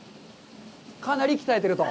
かなり鍛えてると。